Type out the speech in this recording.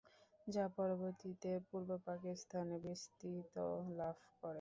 যা পরবর্তীতে পূর্ব পাকিস্তানে বিস্তৃতি লাভ করে।